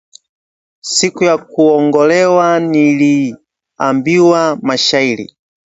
Siku ya kuongolewa niliimbiwa mashairi